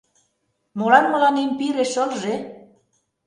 Молан мыланем пире шылже?..